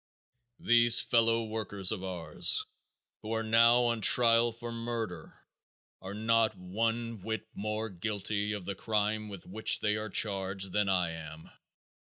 These fellow workers of ours who are now on trial for murder are not one whit more guilty of the crime with which they are charged than I am.